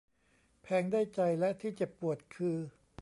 แพงได้ใจและที่เจ็บปวดคือ